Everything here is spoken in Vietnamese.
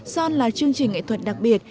son là chương trình nghệ thuật đặc biệt